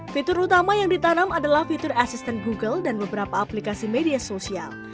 fitur utama yang ditanam adalah fitur asisten google dan beberapa aplikasi media sosial